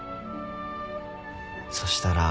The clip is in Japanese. そしたら。